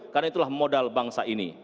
karena itulah modal bangsa ini